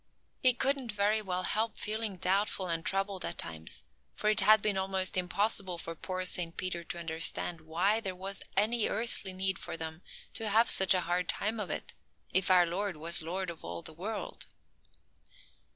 He couldn't very well help feeling doubtful and troubled at times, for it had been almost impossible for poor Saint Peter to understand why there was any earthly need for them to have such a hard time of it, if our Lord was lord of all the world.